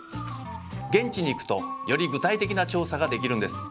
現地に行くとより具体的な「調査」ができるんです。